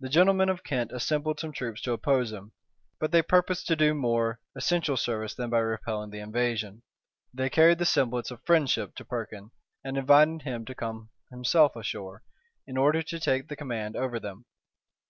The gentlemen of Kent assembled some troops to oppose him; but they purposed to do more essential service than by repelling the invasion: they carried the semblance of friendship to Perkin, and invited him to come himself ashore, in order to take the command over them.